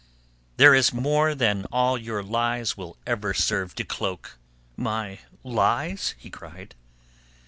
"There is more than all your lies will ever serve to cloak." "My lies?" he cried.